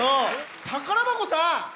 宝箱さん！